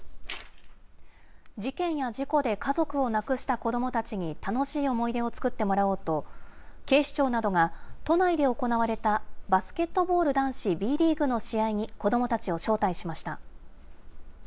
事件や事故で家族を亡くした子どもたちに楽しい思い出を作ってもらおうと、警視庁などが都内で行われたバスケットボール男子Ｂリーグの試合に子どもたちを招待しました。